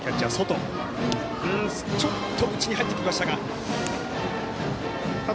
ちょっと内に入ってきました。